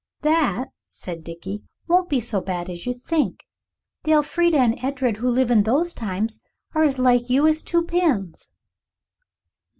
"That," said Dickie, "won't be so bad as you think. The Elfrida and Edred who live in those times are as like you as two pins.